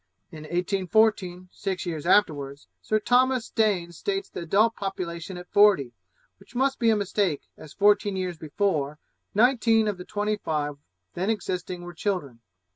In 1814, six years afterwards, Sir Thomas Staines states the adult population at forty, which must be a mistake, as fourteen years before, nineteen of the twenty five then existing were children.